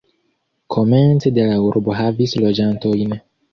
Komence de la urbo havis loĝantojn.